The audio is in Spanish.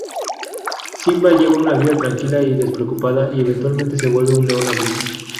Simba lleva una vida tranquila y despreocupada y eventualmente se vuelve un león adulto.